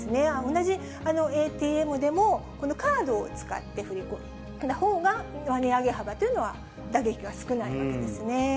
同じＡＴＭでも、このカードを使って振り込んだほうが、値上げ幅というのは打撃が少ないわけですね。